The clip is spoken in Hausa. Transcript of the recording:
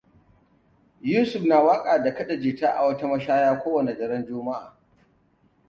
Yusuf na waƙa da kaɗa jita a wata mashaya ko wane daren Juma'a.